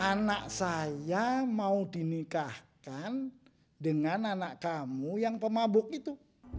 anak saya mau dinikahkan dengan anak kamu yang pemabuk itu